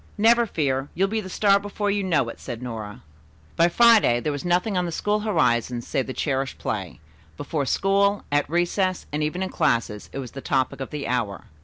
"Never fear, you'll be the star before you know it," said Nora. By Friday, there was nothing on the school horizon save the cherished play. Before school, at recess, and even in classes it was the topic of the hour.